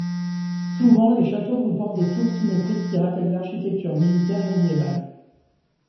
Souvent, les châteaux comportent des tours symétriques qui rappellent l'architecture militaire médiévale.